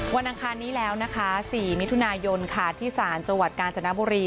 อังคารนี้แล้วนะคะ๔มิถุนายนค่ะที่ศาลจังหวัดกาญจนบุรี